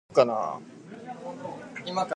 There was some damage on both sides.